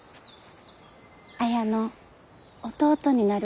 綾の弟になるが。